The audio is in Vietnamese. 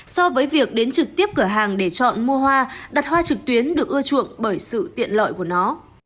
so với việc đến trực tiếp cửa hàng để chọn mua hoa đặt hoa trực tuyến được ưa chuộng bởi sự tiện lợi của nó